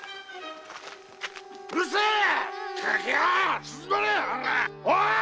うるせえっ‼